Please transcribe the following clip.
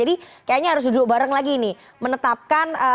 jadi kayaknya harus duduk bareng lagi menetapkan